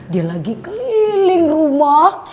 dia lagi keliling rumah